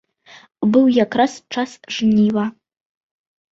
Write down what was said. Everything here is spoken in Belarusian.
Быў якраз час жніва.